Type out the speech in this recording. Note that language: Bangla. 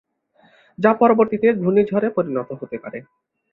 যা পরবর্তীতে ঘূর্ণিঝড়ে পরিণত হতে পারে।